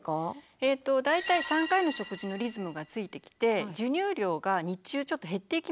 えっと大体３回の食事のリズムがついてきて授乳量が日中ちょっと減っていきますよね。